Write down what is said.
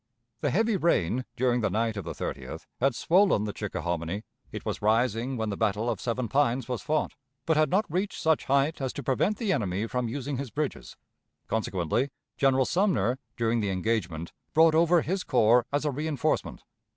The heavy rain during the night of the 30th had swollen the Chickahominy; it was rising when the battle of Seven Pines was fought, but had not reached such height as to prevent the enemy from using his bridges; consequently, General Sumner, during the engagement, brought over his corps as a reënforcement.